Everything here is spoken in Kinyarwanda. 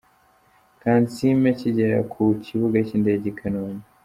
Kansiime akigera ku kibuga cy'indege i Kanombe.